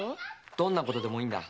どんなことでもいいんだ。